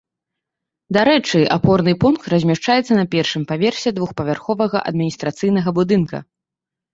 Дарэчы, апорны пункт размяшчаецца на першым паверсе двухпавярховага адміністрацыйнага будынка.